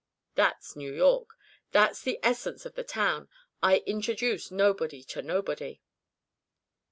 That's New York. That's the essence of the town. 'I introduce nobody to nobody.'"